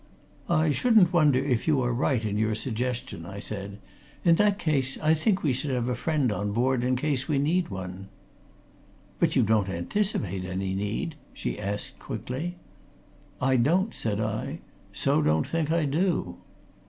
"I shouldn't wonder if you are right in your suggestion," I said. "In that case, I think we should have a friend on board in case we need one." "But you don't anticipate any need?" she asked quickly. "I don't," said I. "So don't think I do."